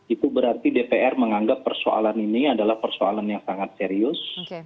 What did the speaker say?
itu berarti dpr menganggap persoalan ini adalah persoalan yang sangat serius